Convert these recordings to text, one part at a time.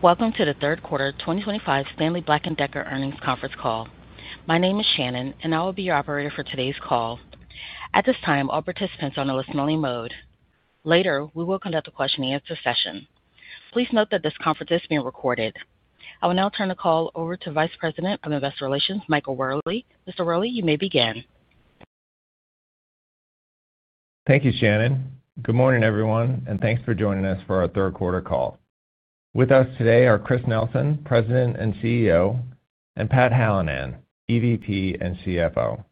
Welcome to the third quarter 2025 Stanley Black & Decker earnings conference call. My name is Shannon, and I will be your operator for today's call. At this time, all participants are on a listen-only mode. Later, we will conduct a question-and-answer session. Please note that this conference is being recorded. I will now turn the call over to Vice President of Investor Relations, Michael Wherley. Mr. Wherley, you may begin. Thank you, Shannon. Good morning, everyone, and thanks for joining us for our third quarter call. With us today are Chris Nelson, President and CEO, and Pat Hallinan, EVP and CFO.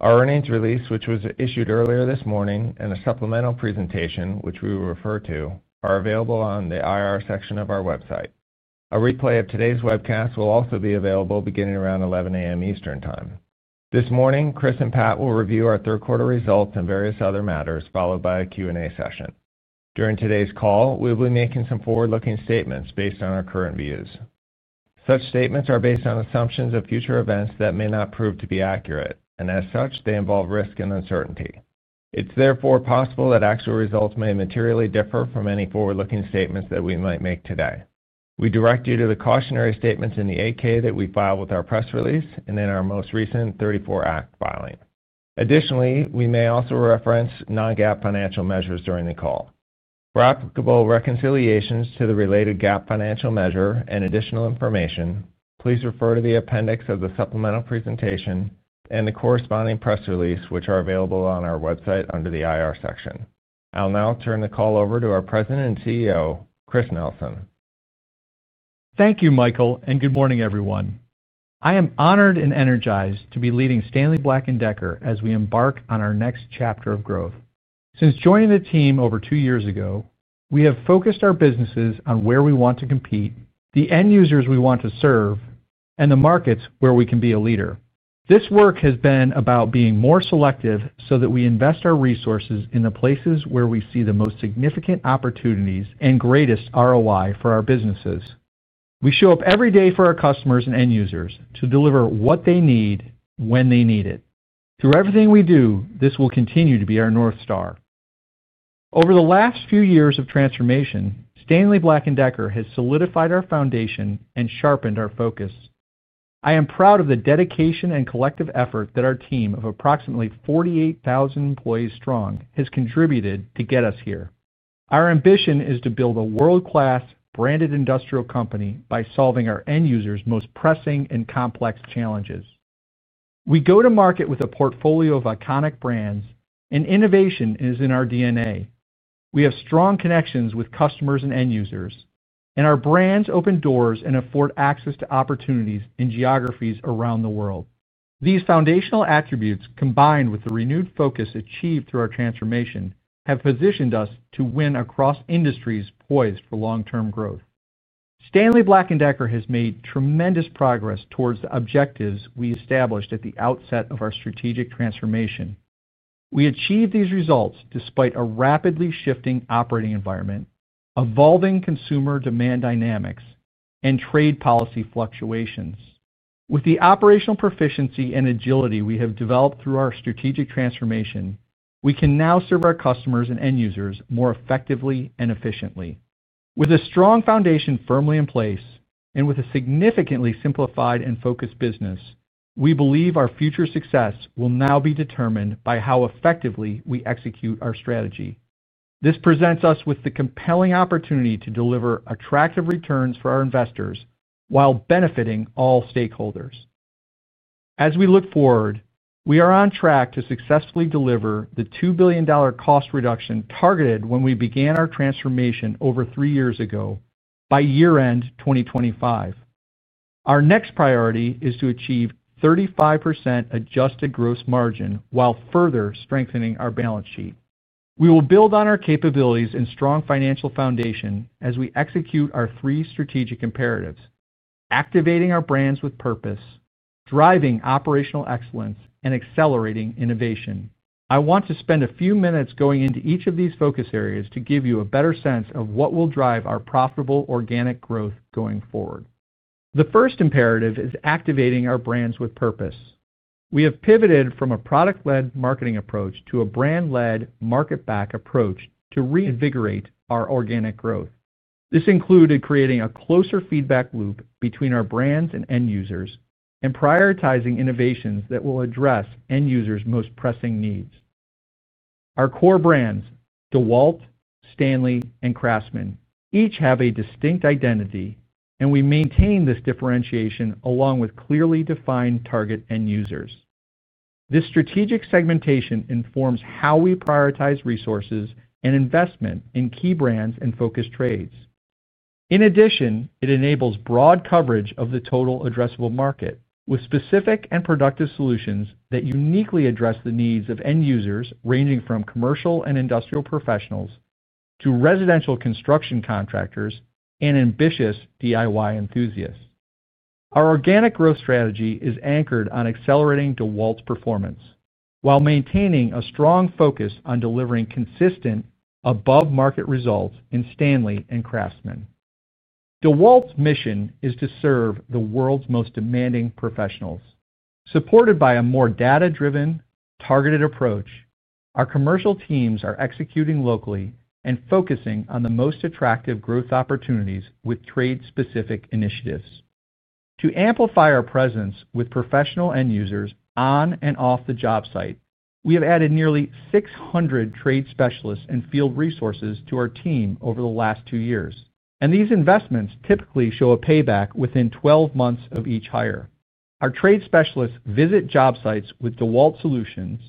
Our earnings release, which was issued earlier this morning, and a supplemental presentation, which we will refer to, are available on the IR section of our website. A replay of today's webcast will also be available beginning around 11:00 A.M. Eastern Time. This morning, Chris and Pat will review our third quarter results and various other matters, followed by a Q&A session. During today's call, we will be making some forward-looking statements based on our current views. Such statements are based on assumptions of future events that may not prove to be accurate, and as such, they involve risk and uncertainty. It's therefore possible that actual results may materially differ from any forward-looking statements that we might make today. We direct you to the cautionary statements in the 8-K that we filed with our press release and in our most recent 34 Act filing. Additionally, we may also reference non-GAAP financial measures during the call. For applicable reconciliations to the related GAAP financial measure and additional information, please refer to the appendix of the supplemental presentation and the corresponding press release, which are available on our website under the IR section. I'll now turn the call over to our President and CEO, Chris Nelson. Thank you, Michael, and good morning, everyone. I am honored and energized to be leading Stanley Black & Decker as we embark on our next chapter of growth. Since joining the team over two years ago, we have focused our businesses on where we want to compete, the end users we want to serve, and the markets where we can be a leader. This work has been about being more selective so that we invest our resources in the places where we see the most significant opportunities and greatest ROI for our businesses. We show up every day for our customers and end users to deliver what they need when they need it. Through everything we do, this will continue to be our North Star. Over the last few years of transformation, Stanley Black & Decker has solidified our foundation and sharpened our focus. I am proud of the dedication and collective effort that our team of approximately 48,000 employees strong has contributed to get us here. Our ambition is to build a world-class, branded industrial company by solving our end users' most pressing and complex challenges. We go to market with a portfolio of iconic brands, and innovation is in our DNA. We have strong connections with customers and end users, and our brands open doors and afford access to opportunities in geographies around the world. These foundational attributes, combined with the renewed focus achieved through our transformation, have positioned us to win across industries poised for long-term growth. Stanley Black & Decker has made tremendous progress towards the objectives we established at the outset of our strategic transformation. We achieved these results despite a rapidly shifting operating environment, evolving consumer demand dynamics, and trade policy fluctuations. With the operational proficiency and agility we have developed through our strategic transformation, we can now serve our customers and end users more effectively and efficiently. With a strong foundation firmly in place and with a significantly simplified and focused business, we believe our future success will now be determined by how effectively we execute our strategy. This presents us with the compelling opportunity to deliver attractive returns for our investors while benefiting all stakeholders. As we look forward, we are on track to successfully deliver the $2 billion cost reduction targeted when we began our transformation over three years ago by year-end 2025. Our next priority is to achieve 35% adjusted gross margin while further strengthening our balance sheet. We will build on our capabilities and strong financial foundation as we execute our three strategic imperatives: activating our brands with purpose, driving operational excellence, and accelerating innovation. I want to spend a few minutes going into each of these focus areas to give you a better sense of what will drive our profitable organic growth going forward. The first imperative is activating our brands with purpose. We have pivoted from a product-led marketing approach to a brand-led market-back approach to reinvigorate our organic growth. This included creating a closer feedback loop between our brands and end users and prioritizing innovations that will address end users' most pressing needs. Our core brands, DEWALT, Stanley, and CRAFTSMAN, each have a distinct identity, and we maintain this differentiation along with clearly defined target end users. This strategic segmentation informs how we prioritize resources and investment in key brands and focus trades. In addition, it enables broad coverage of the total addressable market with specific and productive solutions that uniquely address the needs of end users ranging from commercial and industrial professionals to residential construction contractors and ambitious DIY enthusiasts. Our organic growth strategy is anchored on accelerating DEWALT's performance while maintaining a strong focus on delivering consistent above-market results in Stanley and CRAFTSMAN. DEWALT's mission is to serve the world's most demanding professionals. Supported by a more data-driven, targeted approach, our commercial teams are executing locally and focusing on the most attractive growth opportunities with trade-specific initiatives. To amplify our presence with professional end users on and off the job site, we have added nearly 600 trade specialists and field resources to our team over the last two years, and these investments typically show a payback within 12 months of each hire. Our trade specialists visit job sites with DEWALT solutions,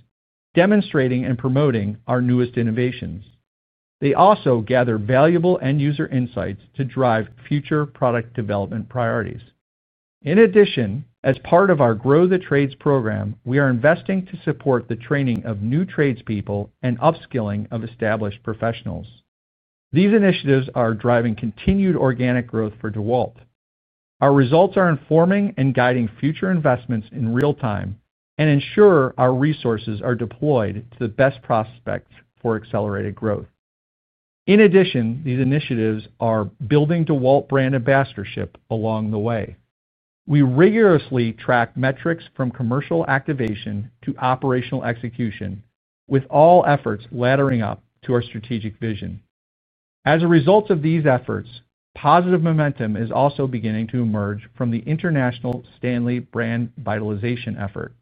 demonstrating and promoting our newest innovations. They also gather valuable end user insights to drive future product development priorities. In addition, as part of our Grow the Trades program, we are investing to support the training of new tradespeople and upskilling of established professionals. These initiatives are driving continued organic growth for DEWALT. Our results are informing and guiding future investments in real time and ensure our resources are deployed to the best prospects for accelerated growth. In addition, these initiatives are building DEWALT brand ambassadorship along the way. We rigorously track metrics from commercial activation to operational execution, with all efforts laddering up to our strategic vision. As a result of these efforts, positive momentum is also beginning to emerge from the international Stanley brand vitalization effort.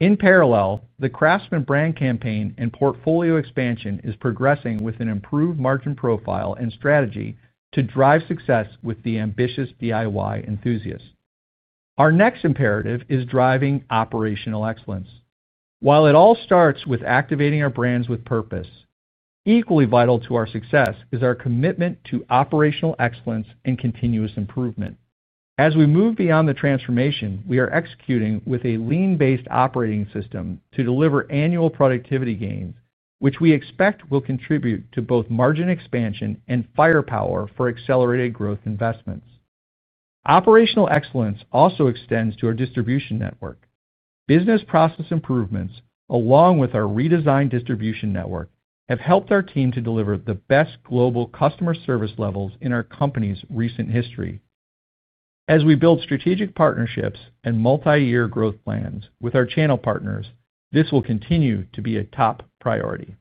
In parallel, the CRAFTSMAN brand campaign and portfolio expansion is progressing with an improved margin profile and strategy to drive success with the ambitious DIY enthusiasts. Our next imperative is driving operational excellence. While it all starts with activating our brands with purpose, equally vital to our success is our commitment to operational excellence and continuous improvement. As we move beyond the transformation, we are executing with a lean-based operating system to deliver annual productivity gains, which we expect will contribute to both margin expansion and firepower for accelerated growth investments. Operational excellence also extends to our distribution network. Business process improvements, along with our redesigned distribution network, have helped our team to deliver the best global customer service levels in our company's recent history. As we build strategic partnerships and multi-year growth plans with our channel partners, this will continue to be a top priority.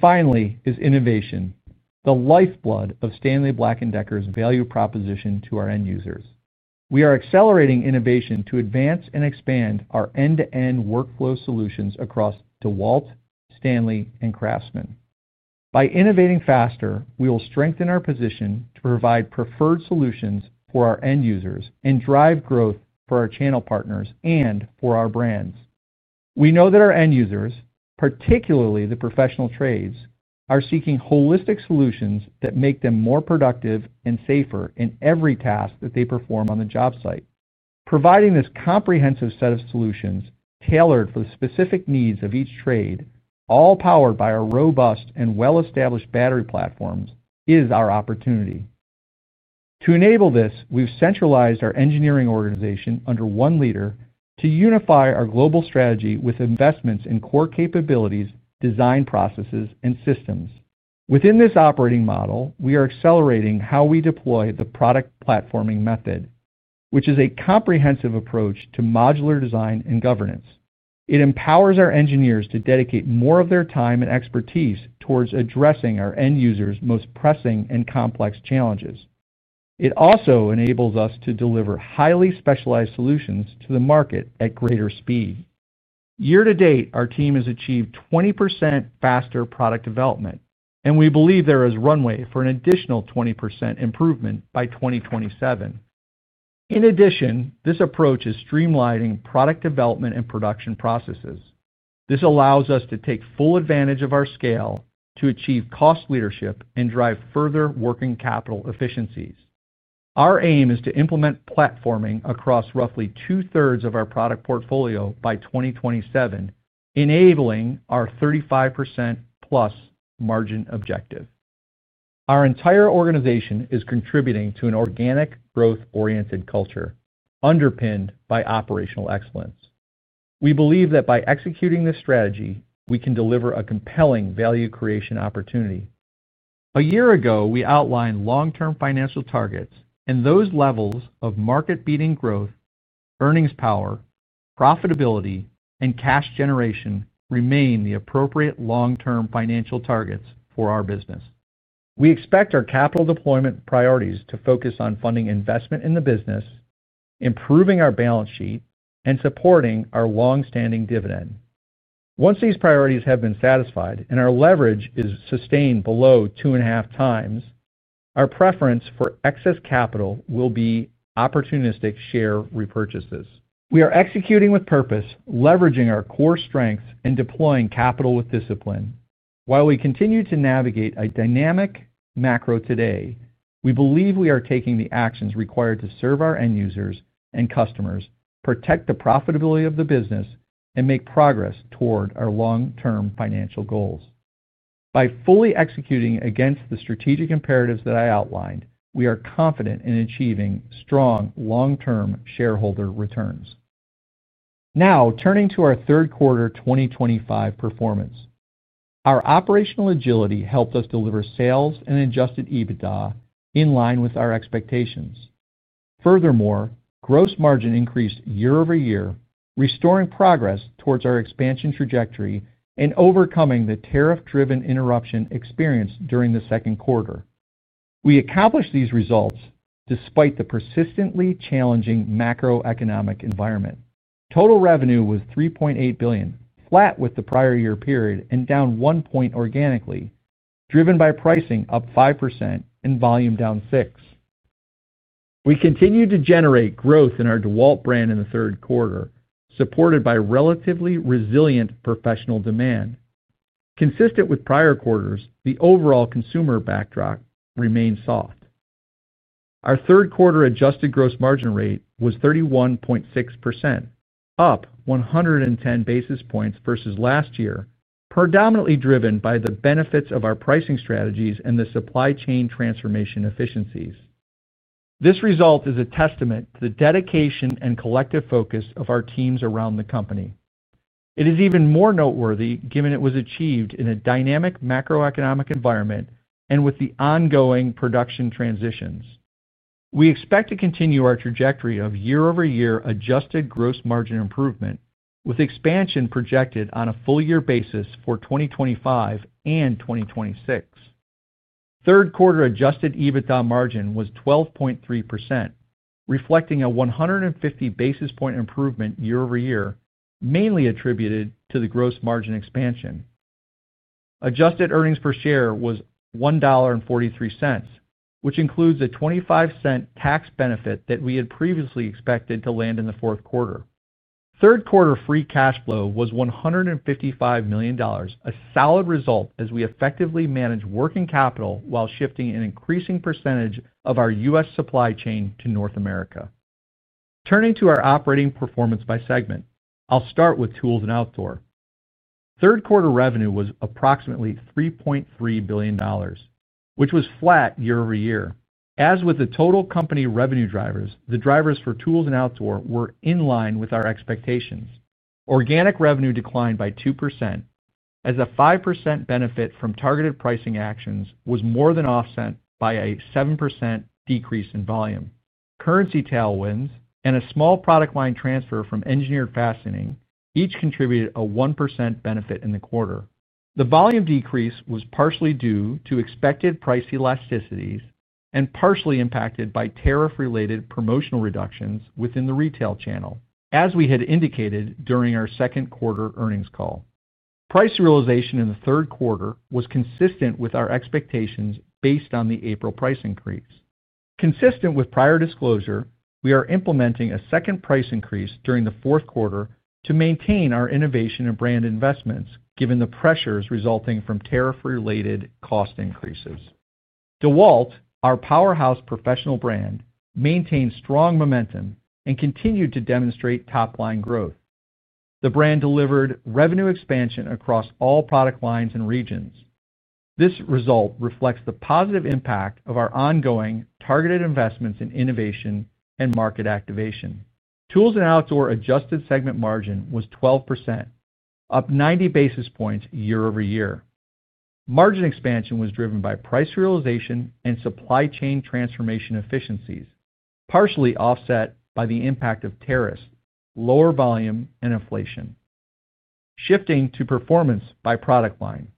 Finally, innovation is the lifeblood of Stanley Black & Decker's value proposition to our end users. We are accelerating innovation to advance and expand our end-to-end workflow solutions across DEWALT, Stanley, and CRAFTSMAN. By innovating faster, we will strengthen our position to provide preferred solutions for our end users and drive growth for our channel partners and for our brands. We know that our end users, particularly the professional trades, are seeking holistic solutions that make them more productive and safer in every task that they perform on the job site. Providing this comprehensive set of solutions tailored for the specific needs of each trade, all powered by our robust and well-established battery platforms, is our opportunity. To enable this, we've centralized our engineering organization under one leader to unify our global strategy with investments in core capabilities, design processes, and systems. Within this operating model, we are accelerating how we deploy the product platforming method, which is a comprehensive approach to modular design and governance. It empowers our engineers to dedicate more of their time and expertise towards addressing our end users' most pressing and complex challenges. It also enables us to deliver highly specialized solutions to the market at greater speed. Year to date, our team has achieved 20% faster product development, and we believe there is runway for an additional 20% improvement by 2027. In addition, this approach is streamlining product development and production processes. This allows us to take full advantage of our scale to achieve cost leadership and drive further working capital efficiencies. Our aim is to implement platforming across roughly two-thirds of our product portfolio by 2027, enabling our 35%+ margin objective. Our entire organization is contributing to an organic growth-oriented culture underpinned by operational excellence. We believe that by executing this strategy, we can deliver a compelling value creation opportunity. A year ago, we outlined long-term financial targets, and those levels of market-beating growth, earnings power, profitability, and cash generation remain the appropriate long-term financial targets for our business. We expect our capital deployment priorities to focus on funding investment in the business, improving our balance sheet, and supporting our long-standing dividend. Once these priorities have been satisfied and our leverage is sustained below two and a half times, our preference for excess capital will be opportunistic share repurchases. We are executing with purpose, leveraging our core strengths and deploying capital with discipline. While we continue to navigate a dynamic macro today, we believe we are taking the actions required to serve our end users and customers, protect the profitability of the business, and make progress toward our long-term financial goals. By fully executing against the strategic imperatives that I outlined, we are confident in achieving strong long-term shareholder returns. Now, turning to our third quarter 2025 performance, our operational agility helped us deliver sales and adjusted EBITDA in line with our expectations. Furthermore, gross margin increased year-over-year, restoring progress towards our expansion trajectory and overcoming the tariff-driven interruption experienced during the second quarter. We accomplished these results despite the persistently challenging macroeconomic environment. Total revenue was $3.8 billion, flat with the prior year period and down one point organically, driven by pricing up 5% and volume down 6%. We continued to generate growth in our DEWALT brand in the third quarter, supported by relatively resilient professional demand. Consistent with prior quarters, the overall consumer backdrop remained soft. Our third quarter adjusted gross margin rate was 31.6%, up 110 basis points versus last year, predominantly driven by the benefits of our pricing strategies and the supply chain transformation efficiencies. This result is a testament to the dedication and collective focus of our teams around the company. It is even more noteworthy given it was achieved in a dynamic macroeconomic environment and with the ongoing production transitions. We expect to continue our trajectory of year-over-year adjusted gross margin improvement, with expansion projected on a full-year basis for 2025 and 2026. Third quarter adjusted EBITDA margin was 12.3%, reflecting a 150 basis point improvement year-over-year, mainly attributed to the gross margin expansion. Adjusted earnings per share was $1.43, which includes a $0.25 tax benefit that we had previously expected to land in the fourth quarter. Third quarter free cash flow was $155 million, a solid result as we effectively managed working capital while shifting an increasing percentage of our U.S. supply chain to North America. Turning to our operating performance by segment, I'll start with tools and outdoor. Third quarter revenue was approximately $3.3 billion, which was flat year-over-year. As with the total company revenue drivers, the drivers for tools and outdoor were in line with our expectations. Organic revenue declined by 2%, as a 5% benefit from targeted pricing actions was more than offset by a 7% decrease in volume. Currency tailwinds and a small product line transfer from engineered fastening each contributed a 1% benefit in the quarter. The volume decrease was partially due to expected price elasticities and partially impacted by tariff-related promotional reductions within the retail channel, as we had indicated during our second quarter earnings call. Price realization in the third quarter was consistent with our expectations based on the April price increase. Consistent with prior disclosure, we are implementing a second price increase during the fourth quarter to maintain our innovation and brand investments given the pressures resulting from tariff-related cost increases. DEWALT, our powerhouse professional brand, maintained strong momentum and continued to demonstrate top-line growth. The brand delivered revenue expansion across all product lines and regions. This result reflects the positive impact of our ongoing targeted investments in innovation and market activation. Tools and outdoor adjusted segment margin was 12%, up 90 basis points year-over-year. Margin expansion was driven by price realization and supply chain transformation efficiencies, partially offset by the impact of tariffs, lower volume, and inflation. Shifting to performance by product line,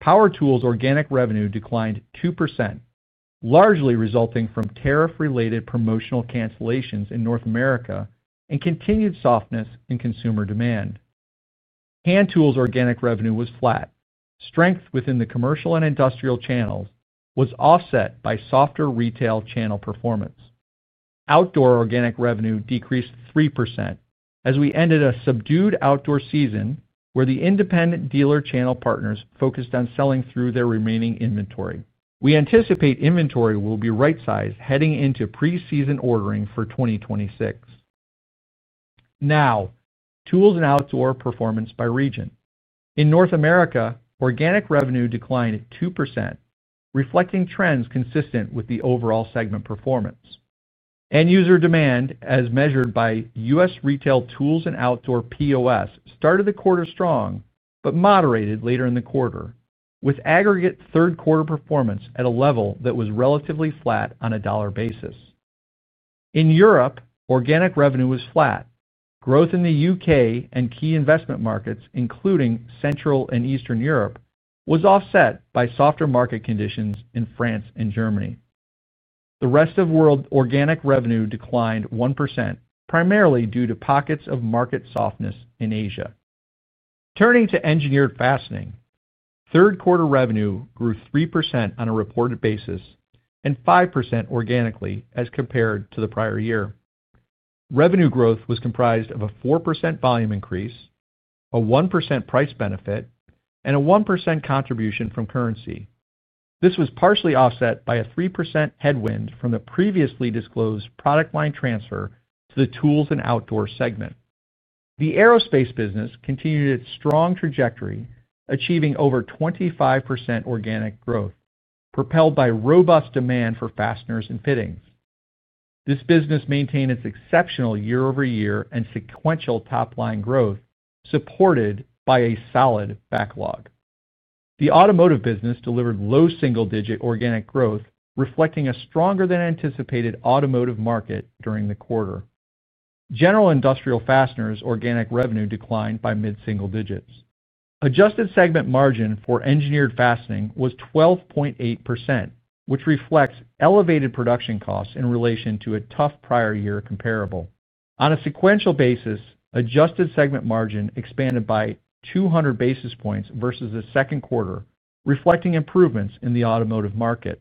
Power Tools' organic revenue declined 2%. Largely resulting from tariff-related promotional cancellations in North America and continued softness in consumer demand. Hand Tools' organic revenue was flat. Strength within the commercial and industrial channels was offset by softer retail channel performance. Outdoor organic revenue decreased 3% as we ended a subdued outdoor season where the independent dealer channel partners focused on selling through their remaining inventory. We anticipate inventory will be right-sized heading into preseason ordering for 2026. Now, tools and outdoor performance by region. In North America, organic revenue declined 2%, reflecting trends consistent with the overall segment performance. End user demand, as measured by U.S. retail tools and outdoor POS, started the quarter strong but moderated later in the quarter, with aggregate third quarter performance at a level that was relatively flat on a dollar basis. In Europe, organic revenue was flat. Growth in the U.K. and key investment markets, including Central and Eastern Europe, was offset by softer market conditions in France and Germany. The rest of the world's organic revenue declined 1%, primarily due to pockets of market softness in Asia. Turning to engineered fastening, third quarter revenue grew 3% on a reported basis and 5% organically as compared to the prior year. Revenue growth was comprised of a 4% volume increase, a 1% price benefit, and a 1% contribution from currency. This was partially offset by a 3% headwind from the previously disclosed product line transfer to the tools and outdoor segment. The aerospace business continued its strong trajectory, achieving over 25% organic growth, propelled by robust demand for fasteners and fittings. This business maintained its exceptional year-over-year and sequential top-line growth, supported by a solid backlog. The automotive business delivered low single-digit organic growth, reflecting a stronger-than-anticipated automotive market during the quarter. General industrial fasteners' organic revenue declined by mid-single digits. Adjusted segment margin for engineered fastening was 12.8%, which reflects elevated production costs in relation to a tough prior year comparable. On a sequential basis, adjusted segment margin expanded by 200 basis points versus the second quarter, reflecting improvements in the automotive market.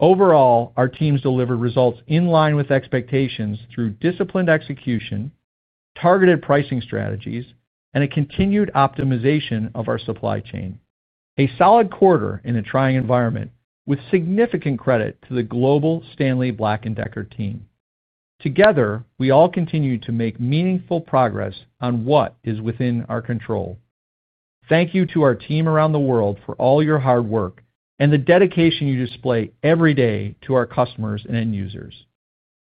Overall, our teams delivered results in line with expectations through disciplined execution, targeted pricing strategies, and a continued optimization of our supply chain. A solid quarter in a trying environment, with significant credit to the global Stanley Black & Decker team. Together, we all continue to make meaningful progress on what is within our control. Thank you to our team around the world for all your hard work and the dedication you display every day to our customers and end users.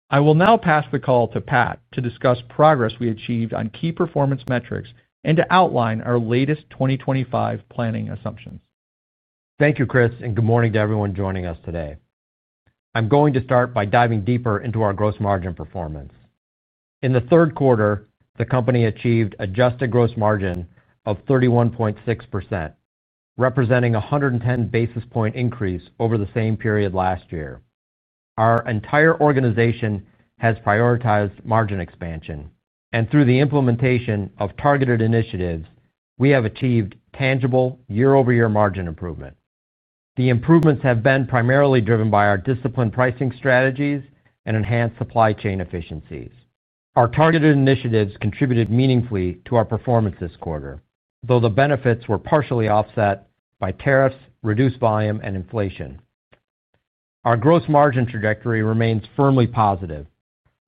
I will now pass the call to Pat to discuss progress we achieved on key performance metrics and to outline our latest 2025 planning assumptions. Thank you, Chris, and good morning to everyone joining us today. I'm going to start by diving deeper into our gross margin performance. In the third quarter, the company achieved adjusted gross margin of 31.6%. Representing a 110 basis point increase over the same period last year. Our entire organization has prioritized margin expansion, and through the implementation of targeted initiatives, we have achieved tangible year-over-year margin improvement. The improvements have been primarily driven by our disciplined pricing strategies and enhanced supply chain efficiencies. Our targeted initiatives contributed meaningfully to our performance this quarter, though the benefits were partially offset by tariffs, reduced volume, and inflation. Our gross margin trajectory remains firmly positive,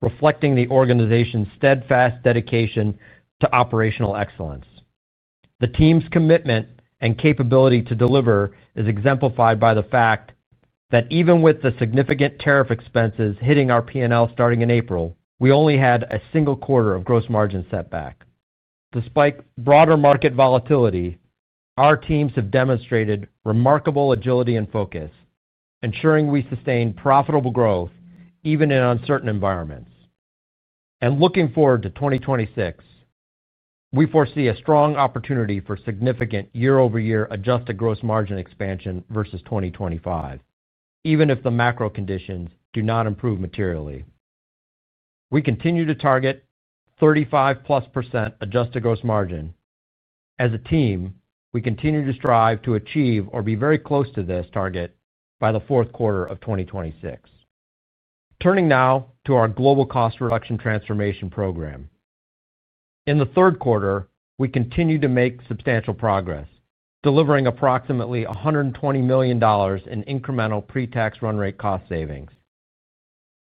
reflecting the organization's steadfast dedication to operational excellence. The team's commitment and capability to deliver is exemplified by the fact that even with the significant tariff expenses hitting our P&L starting in April, we only had a single quarter of gross margin setback. Despite broader market volatility, our teams have demonstrated remarkable agility and focus, ensuring we sustain profitable growth even in uncertain environments. Looking forward to 2026, we foresee a strong opportunity for significant year-over-year adjusted gross margin expansion versus 2025, even if the macro conditions do not improve materially. We continue to target 35+% adjusted gross margin. As a team, we continue to strive to achieve or be very close to this target by the fourth quarter of 2026. Turning now to our global cost reduction transformation program. In the third quarter, we continue to make substantial progress, delivering approximately $120 million in incremental pre-tax run rate cost savings.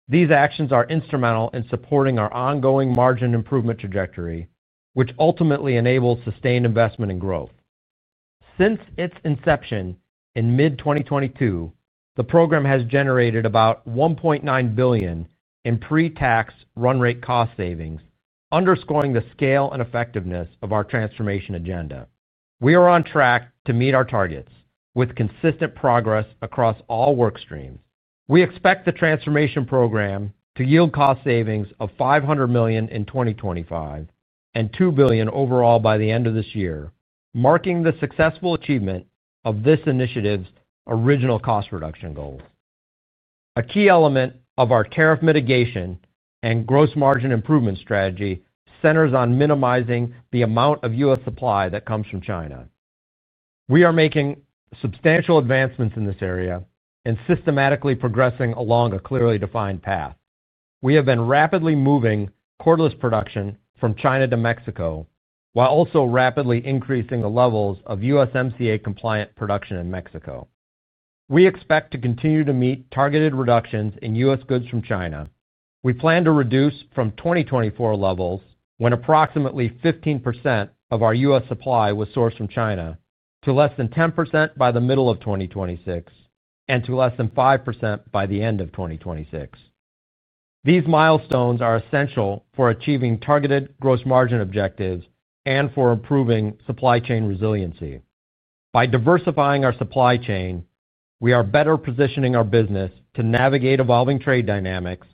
These actions are instrumental in supporting our ongoing margin improvement trajectory, which ultimately enables sustained investment and growth. Since its inception in mid-2022, the program has generated about $1.9 billion in pre-tax run rate cost savings, underscoring the scale and effectiveness of our transformation agenda. We are on track to meet our targets with consistent progress across all work streams. We expect the transformation program to yield cost savings of $500 million in 2025 and $2 billion overall by the end of this year, marking the successful achievement of this initiative's original cost reduction goals. A key element of our tariff mitigation and gross margin improvement strategy centers on minimizing the amount of U.S. supply that comes from China. We are making substantial advancements in this area and systematically progressing along a clearly defined path. We have been rapidly moving cordless production from China to Mexico, while also rapidly increasing the levels of USMCA-compliant production in Mexico. We expect to continue to meet targeted reductions in U.S. goods from China. We plan to reduce from 2024 levels when approximately 15% of our U.S. supply was sourced from China to less than 10% by the middle of 2026 and to less than 5% by the end of 2026. These milestones are essential for achieving targeted gross margin objectives and for improving supply chain resiliency. By diversifying our supply chain, we are better positioning our business to navigate evolving trade dynamics,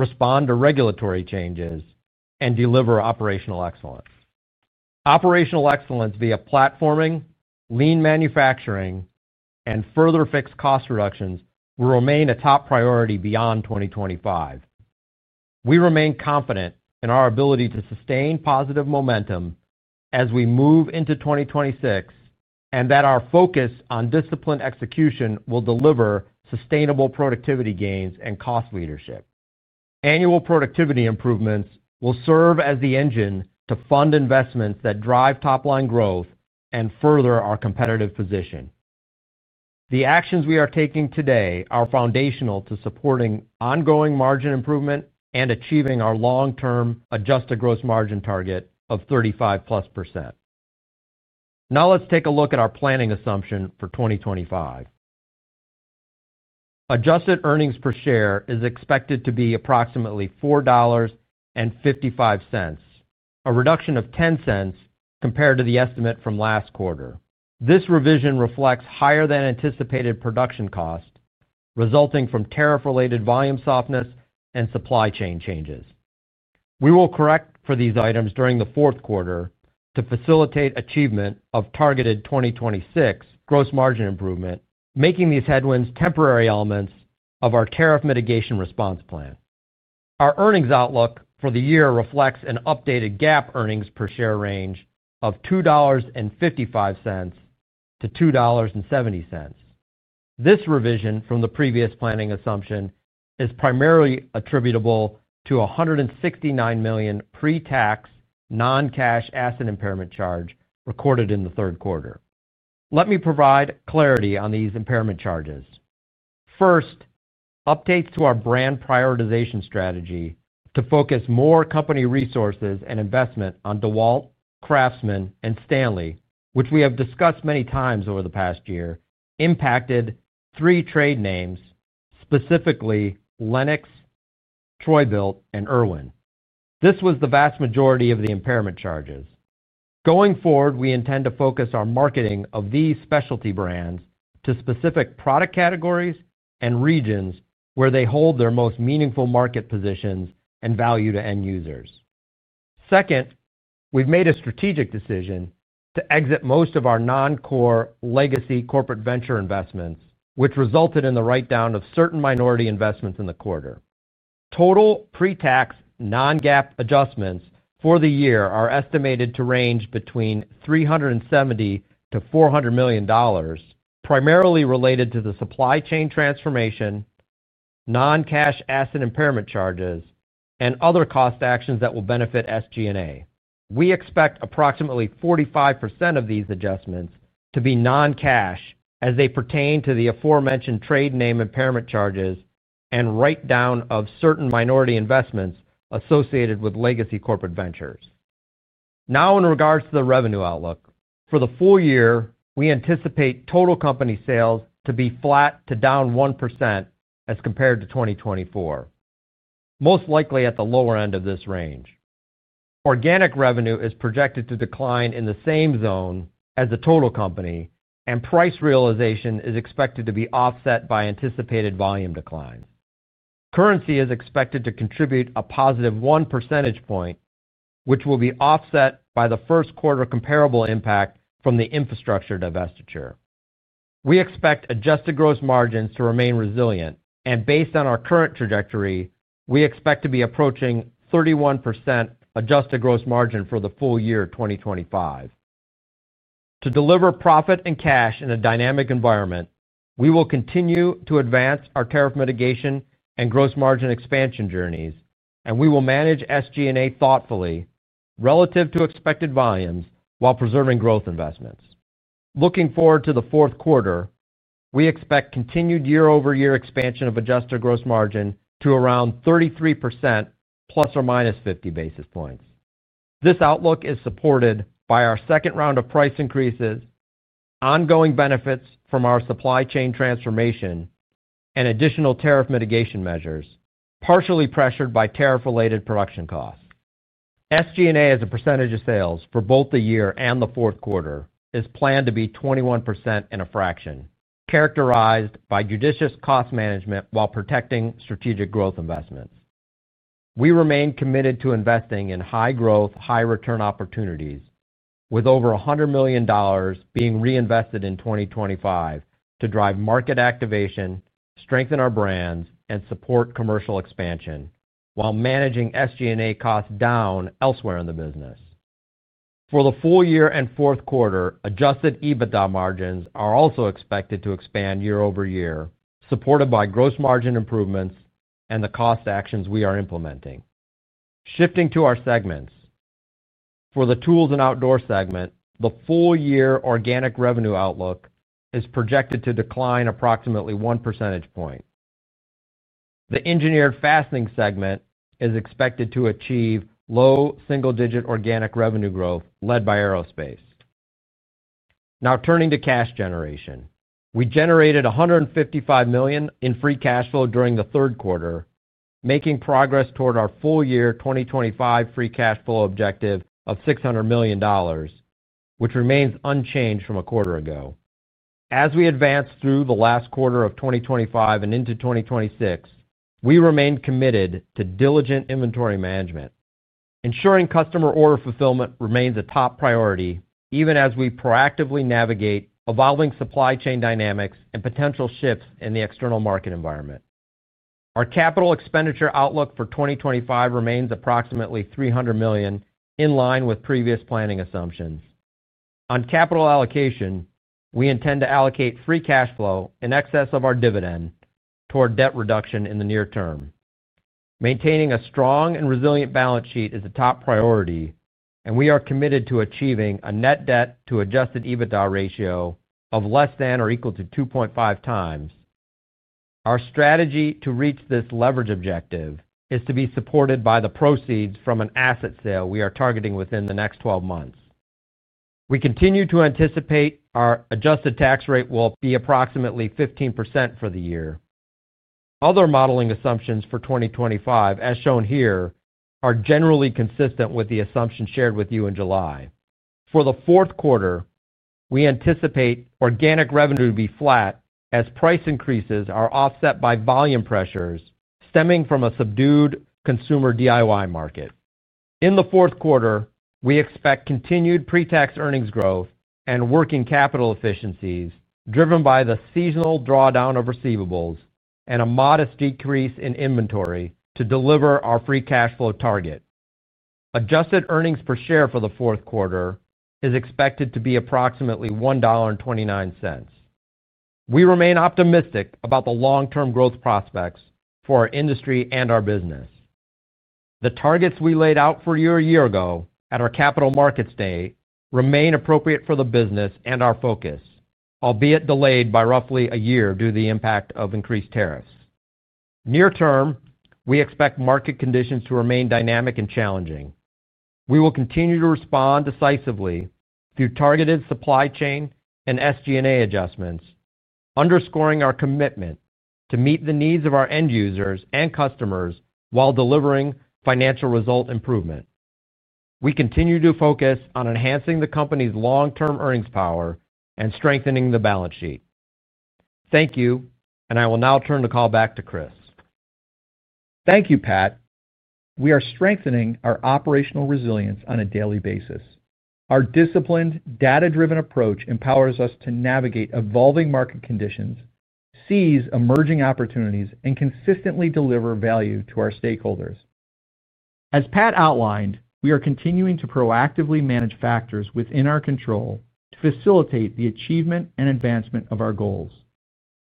respond to regulatory changes, and deliver operational excellence. Operational excellence via platforming, lean manufacturing, and further fixed cost reductions will remain a top priority beyond 2025. We remain confident in our ability to sustain positive momentum as we move into 2026 and that our focus on disciplined execution will deliver sustainable productivity gains and cost leadership. Annual productivity improvements will serve as the engine to fund investments that drive top-line growth and further our competitive position. The actions we are taking today are foundational to supporting ongoing margin improvement and achieving our long-term adjusted gross margin target of 35+%. Now let's take a look at our planning assumption for 2025. Adjusted earnings per share is expected to be approximately $4.55, a reduction of $0.10 compared to the estimate from last quarter. This revision reflects higher-than-anticipated production cost resulting from tariff-related volume softness and supply chain changes. We will correct for these items during the fourth quarter to facilitate achievement of targeted 2026 gross margin improvement, making these headwinds temporary elements of our tariff mitigation response plan. Our earnings outlook for the year reflects an updated GAAP earnings per share range of $2.55-$2.70. This revision from the previous planning assumption is primarily attributable to a $169 million pre-tax non-cash asset impairment charge recorded in the third quarter. Let me provide clarity on these impairment charges. First, updates to our brand prioritization strategy to focus more company resources and investment on DEWALT, CRAFTSMAN, and Stanley, which we have discussed many times over the past year, impacted three trade names, specifically LENOX, Troy-Bilt, and IRWIN. This was the vast majority of the impairment charges. Going forward, we intend to focus our marketing of these specialty brands to specific product categories and regions where they hold their most meaningful market positions and value to end users. Second, we've made a strategic decision to exit most of our non-core legacy corporate venture investments, which resulted in the write-down of certain minority investments in the quarter. Total pre-tax non-GAAP adjustments for the year are estimated to range between $370 million-$400 million, primarily related to the supply chain transformation, non-cash asset impairment charges, and other cost actions that will benefit SG&A. We expect approximately 45% of these adjustments to be non-cash as they pertain to the aforementioned trade name impairment charges and write-down of certain minority investments associated with legacy corporate ventures. Now, in regards to the revenue outlook, for the full year, we anticipate total company sales to be flat to down 1% as compared to 2024, most likely at the lower end of this range. Organic revenue is projected to decline in the same zone as the total company, and price realization is expected to be offset by anticipated volume declines. Currency is expected to contribute a positive 1 percentage point, which will be offset by the first quarter comparable impact from the infrastructure divestiture. We expect adjusted gross margins to remain resilient, and based on our current trajectory, we expect to be approaching 31% adjusted gross margin for the full year 2025. To deliver profit and cash in a dynamic environment, we will continue to advance our tariff mitigation and gross margin expansion journeys, and we will manage SG&A thoughtfully relative to expected volumes while preserving growth investments. Looking forward to the fourth quarter, we expect continued year-over-year expansion of adjusted gross margin to around 33% ±50 basis points. This outlook is supported by our second round of price increases, ongoing benefits from our supply chain transformation, and additional tariff mitigation measures, partially pressured by tariff-related production costs. SG&A as a percentage of sales for both the year and the fourth quarter is planned to be 21% in a fraction, characterized by judicious cost management while protecting strategic growth investments. We remain committed to investing in high-growth, high-return opportunities, with over $100 million being reinvested in 2025 to drive market activation, strengthen our brands, and support commercial expansion while managing SG&A costs down elsewhere in the business. For the full year and fourth quarter, adjusted EBITDA margins are also expected to expand year-over-year, supported by gross margin improvements and the cost actions we are implementing. Shifting to our segments. For the tools and outdoor segment, the full year organic revenue outlook is projected to decline approximately 1 percentage point. The engineered fastening segment is expected to achieve low single-digit organic revenue growth led by aerospace. Now, turning to cash generation. We generated $155 million in free cash flow during the third quarter, making progress toward our full year 2025 free cash flow objective of $600 million, which remains unchanged from a quarter ago. As we advance through the last quarter of 2025 and into 2026, we remain committed to diligent inventory management. Ensuring customer order fulfillment remains a top priority, even as we proactively navigate evolving supply chain dynamics and potential shifts in the external market environment. Our capital expenditure outlook for 2025 remains approximately $300 million, in line with previous planning assumptions. On capital allocation, we intend to allocate free cash flow in excess of our dividend toward debt reduction in the near term. Maintaining a strong and resilient balance sheet is a top priority, and we are committed to achieving a net debt-to-adjusted EBITDA ratio of less than or equal to 2.5x. Our strategy to reach this leverage objective is to be supported by the proceeds from an asset sale we are targeting within the next 12 months. We continue to anticipate our adjusted tax rate will be approximately 15% for the year. Other modeling assumptions for 2025, as shown here, are generally consistent with the assumptions shared with you in July. For the fourth quarter, we anticipate organic revenue to be flat as price increases are offset by volume pressures stemming from a subdued consumer DIY market. In the fourth quarter, we expect continued pre-tax earnings growth and working capital efficiencies driven by the seasonal drawdown of receivables and a modest decrease in inventory to deliver our free cash flow target. Adjusted earnings per share for the fourth quarter is expected to be approximately $1.29. We remain optimistic about the long-term growth prospects for our industry and our business. The targets we laid out for you a year ago at our capital markets day remain appropriate for the business and our focus, albeit delayed by roughly a year due to the impact of increased tariffs. Near term, we expect market conditions to remain dynamic and challenging. We will continue to respond decisively through targeted supply chain and SG&A adjustments, underscoring our commitment to meet the needs of our end users and customers while delivering financial result improvement. We continue to focus on enhancing the company's long-term earnings power and strengthening the balance sheet. Thank you, and I will now turn the call back to Chris. Thank you, Pat. We are strengthening our operational resilience on a daily basis. Our disciplined, data-driven approach empowers us to navigate evolving market conditions, seize emerging opportunities, and consistently deliver value to our stakeholders. As Pat outlined, we are continuing to proactively manage factors within our control to facilitate the achievement and advancement of our goals.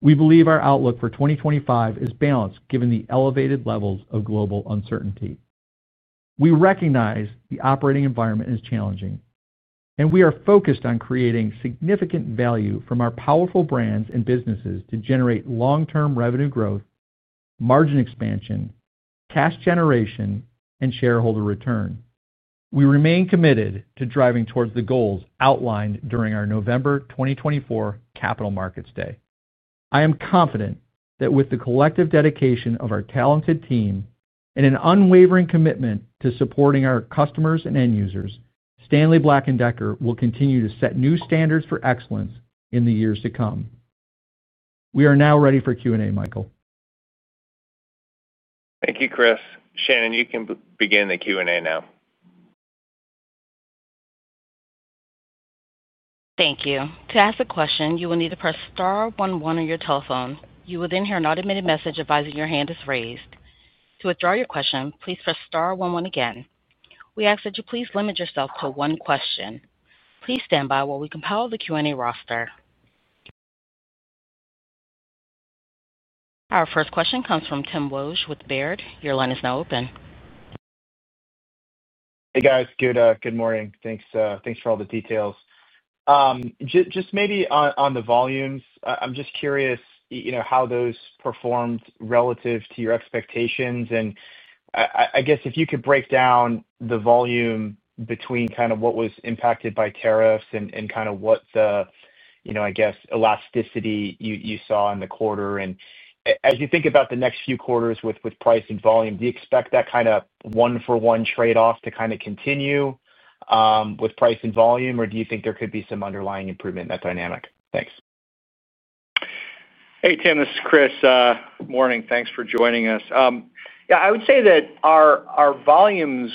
We believe our outlook for 2025 is balanced given the elevated levels of global uncertainty. We recognize the operating environment is challenging, and we are focused on creating significant value from our powerful brands and businesses to generate long-term revenue growth, margin expansion, cash generation, and shareholder return. We remain committed to driving towards the goals outlined during our November 2024 capital markets day. I am confident that with the collective dedication of our talented team and an unwavering commitment to supporting our customers and end users, Stanley Black & Decker will continue to set new standards for excellence in the years to come. We are now ready for Q&A, Michael. Thank you, Chris. Shannon, you can begin the Q&A now. Thank you. To ask a question, you will need to press star one one on your telephone. You will then hear an automated message advising your hand is raised. To withdraw your question, please press star one one again. We ask that you please limit yourself to one question. Please stand by while we compile the Q&A roster. Our first question comes from Tim Wojs with Baird. Your line is now open. Hey, guys. Good morning. Thanks for all the details. Just maybe on the volumes, I'm just curious how those performed relative to your expectations. I guess if you could break down the volume between kind of what was impacted by tariffs and kind of what the, I guess, elasticity you saw in the quarter. As you think about the next few quarters with price and volume, do you expect that kind of one-for-one trade-off to kind of continue with price and volume, or do you think there could be some underlying improvement in that dynamic? Thanks. Hey, Tim, this is Ch`ris. Morning. Thanks for joining us. Yeah, I would say that. Our volumes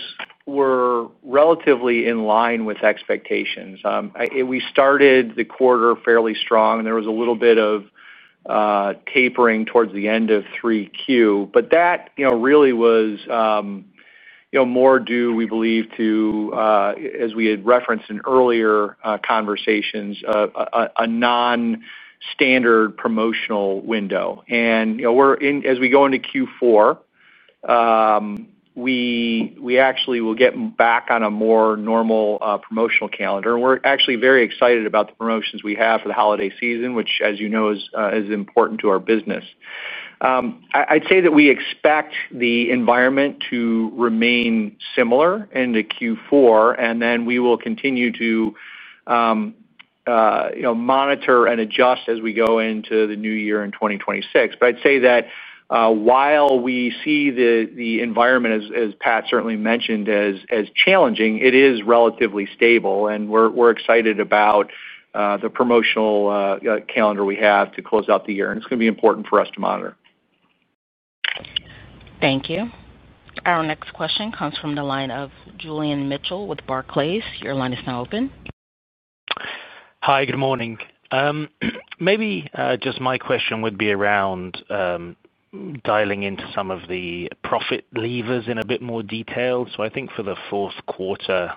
were relatively in line with expectations. We started the quarter fairly strong, and there was a little bit of tapering towards the end of 3Q. That really was more due, we believe, to, as we had referenced in earlier conversations, a non-standard promotional window. As we go into Q4, we actually will get back on a more normal promotional calendar. We are actually very excited about the promotions we have for the holiday season, which, as you know, is important to our business. I'd say that we expect the environment to remain similar into Q4, and we will continue to monitor and adjust as we go into the new year in 2026. I'd say that while we see the environment, as Pat certainly mentioned, as challenging, it is relatively stable. We are excited about the promotional calendar we have to close out the year, and it's going to be important for us to monitor. Thank you. Our next question comes from the line of Julian Mitchell with Barclays. Your line is now open. Hi, good morning. Maybe just my question would be around dialing into some of the profit levers in a bit more detail. I think for the fourth quarter,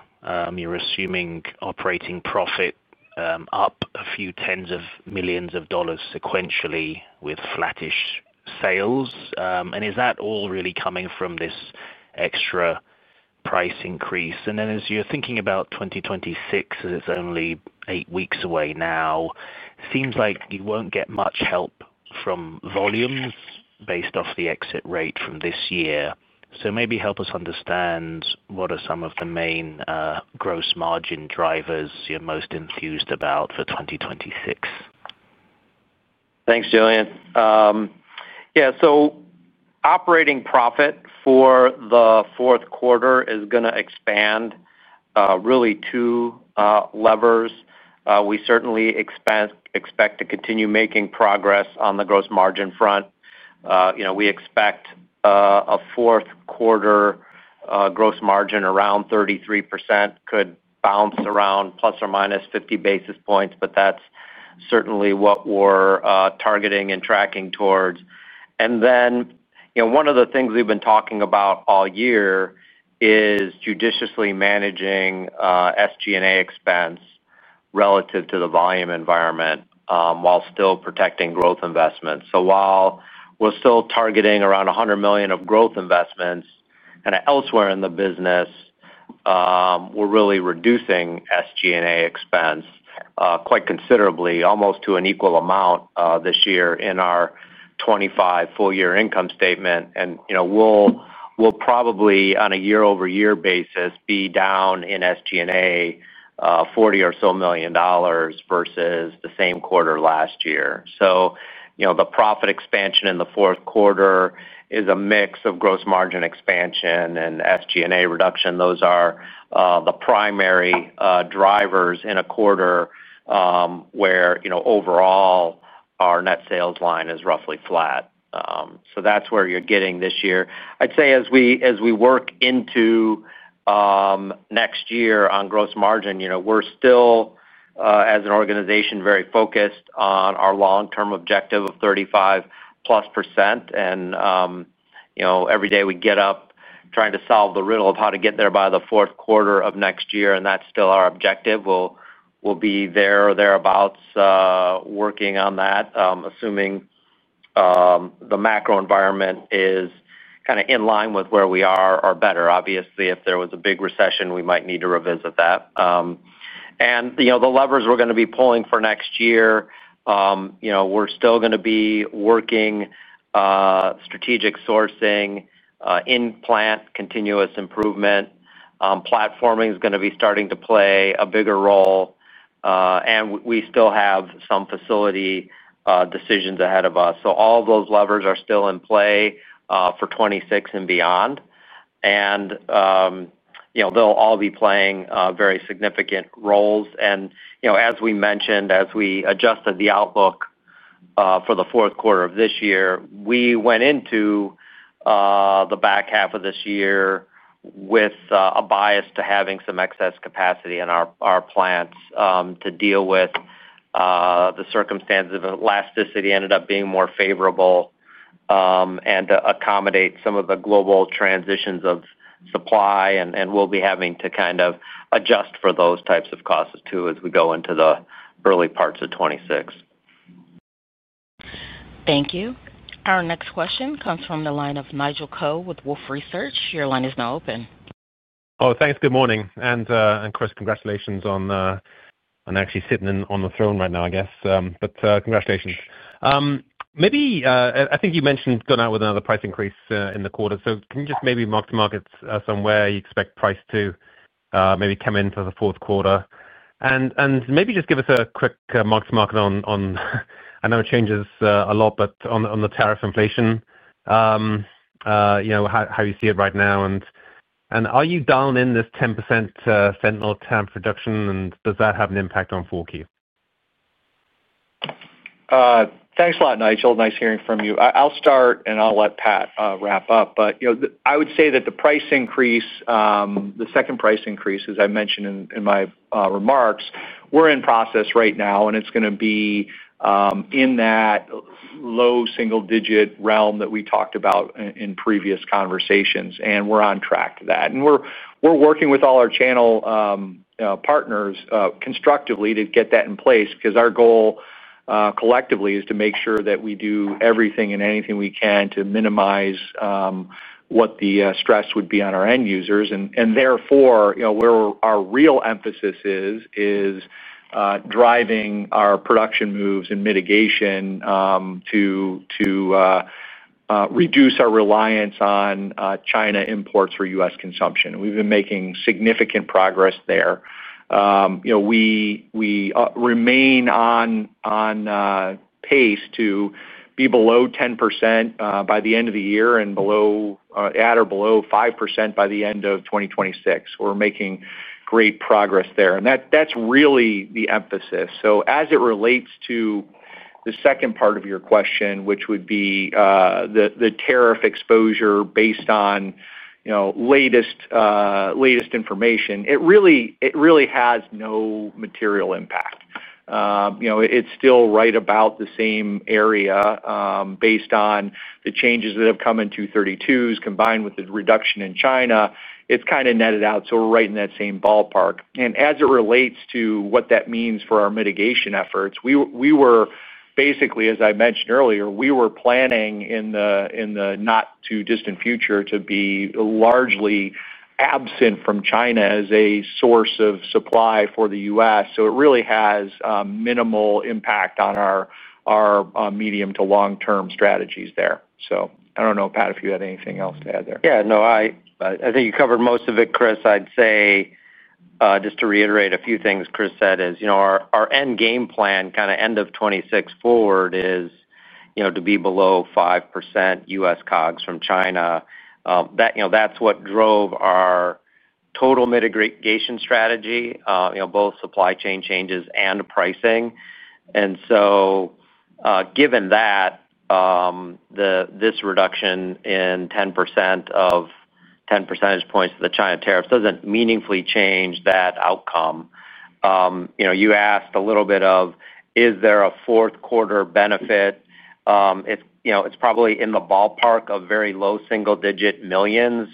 you're assuming operating profit up a few tens of millions of dollars sequentially with flattish sales. Is that all really coming from this extra price increase? As you're thinking about 2026, as it's only eight weeks away now, it seems like you won't get much help from volumes based off the exit rate from this year. Maybe help us understand what are some of the main gross margin drivers you're most enthused about for 2026. Thanks, Julian. Yeah, so operating profit for the fourth quarter is going to expand really to levers. We certainly expect to continue making progress on the gross margin front. We expect a fourth quarter gross margin around 33%—could bounce around ±50 basis points, but that's certainly what we're targeting and tracking towards. One of the things we've been talking about all year is judiciously managing SG&A expense relative to the volume environment while still protecting growth investments. While we're still targeting around $100 million of growth investments and elsewhere in the business, we're really reducing SG&A expense quite considerably, almost to an equal amount this year in our 2025 full-year income statement. We'll probably, on a year-over-year basis, be down in SG&A $40 million or so versus the same quarter last year. The profit expansion in the fourth quarter is a mix of gross margin expansion and SG&A reduction. Those are the primary drivers in a quarter where overall our net sales line is roughly flat. That's where you're getting this year. I'd say as we work into next year on gross margin, we're still, as an organization, very focused on our long-term objective of 35+%. Every day we get up trying to solve the riddle of how to get there by the fourth quarter of next year, and that's still our objective. We'll be there or thereabouts working on that, assuming the macro environment is kind of in line with where we are or better. Obviously, if there was a big recession, we might need to revisit that. The levers we're going to be pulling for next year, we're still going to be working strategic sourcing, in-plant, continuous improvement. Platforming is going to be starting to play a bigger role, and we still have some facility decisions ahead of us. All those levers are still in play for 2026 and beyond. They'll all be playing very significant roles. As we mentioned, as we adjusted the outlook for the fourth quarter of this year, we went into the back half of this year with a bias to having some excess capacity in our plants to deal with the circumstances of elasticity ended up being more favorable, and to accommodate some of the global transitions of supply. We'll be having to kind of adjust for those types of costs too as we go into the early parts of 2026. Thank you. Our next question comes from the line of Nigel Coe with Wolfe Research. Your line is now open. Oh, thanks. Good morning. Chris, congratulations on actually sitting on the throne right now, I guess, but congratulations. Maybe I think you mentioned going out with another price increase in the quarter. Can you just maybe mark to markets somewhere you expect price to maybe come into the fourth quarter? Maybe just give us a quick mark to market on, I know it changes a lot, but on the tariff inflation, how you see it right now. Are you down in this 10% fentanyl tariff reduction, and does that have an impact on 4Q? Thanks a lot, Nigel. Nice hearing from you. I'll start, and I'll let Pat wrap up. I would say that the price increase, the second price increase, as I mentioned in my remarks, we're in process right now, and it's going to be in that low single-digit realm that we talked about in previous conversations. We're on track to that, and we're working with all our channel partners constructively to get that in place because our goal collectively is to make sure that we do everything and anything we can to minimize what the stress would be on our end users. Therefore, where our real emphasis is, driving our production moves and mitigation to reduce our reliance on China imports for U.S. consumption. We've been making significant progress there. We remain on pace to be below 10% by the end of the year and at or below 5% by the end of 2026. We're making great progress there, and that's really the emphasis. So as it relates to. The second part of your question, which would be the tariff exposure based on latest information, it really has no material impact. It's still right about the same area. Based on the changes that have come in 232s combined with the reduction in China, it's kind of netted out. So we're right in that same ballpark. As it relates to what that means for our mitigation efforts, we were basically, as I mentioned earlier, we were planning in the not-too-distant future to be largely absent from China as a source of supply for the U.S. So it really has minimal impact on our medium to long-term strategies there. I don't know, Pat, if you had anything else to add there. Yeah. No, I think you covered most of it, Chris. I'd say just to reiterate a few things Chris said is our end game plan kind of end of 2026 forward is to be below 5% U.S. COGS from China. That's what drove our total mitigation strategy, both supply chain changes and pricing. Given that, this reduction in 10 percentage points of the China tariffs doesn't meaningfully change that outcome. You asked a little bit of, is there a fourth-quarter benefit? It's probably in the ballpark of very low single-digit millions.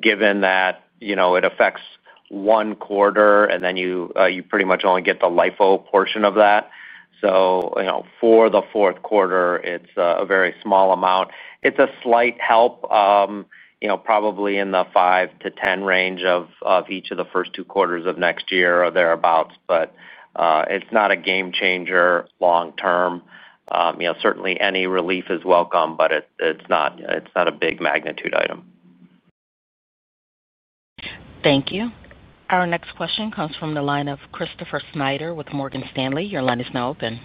Given that it affects one quarter, and then you pretty much only get the LIFO portion of that. For the fourth quarter, it's a very small amount. It's a slight help. Probably in the $5 million-$10 million range of each of the first two quarters of next year or thereabouts. It's not a game-changer long-term. Certainly, any relief is welcome, but it's not a big magnitude item. Thank you. Our next question comes from the line of Christopher Snyder with Morgan Stanley. Your line is now open.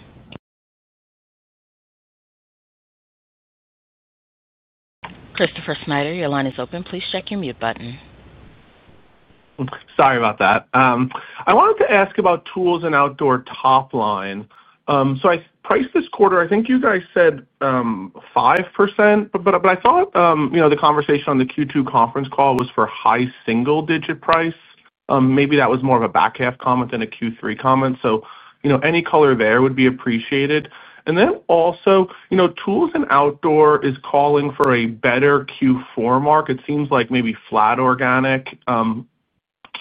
Christopher Snyder, your line is open. Please check your mute button. Sorry about that. I wanted to ask about tools and outdoor top line. I priced this quarter, I think you guys said 5%, but I thought the conversation on the Q2 conference call was for high single-digit price. Maybe that was more of a back half comment than a Q3 comment. Any color there would be appreciated. Also, tools and outdoor is calling for a better Q4 mark. It seems like maybe flat organic.